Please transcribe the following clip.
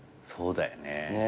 そうだよね。